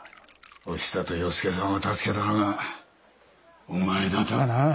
おひさと与助さんを助けたのがお前だとはなあ。